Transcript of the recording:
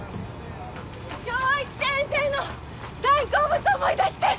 正一先生の大好物思い出して。